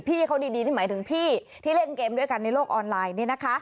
พี่เขาดีหมายถึงพี่ที่เล่นเกมด้วยกันในโลกออนไลน์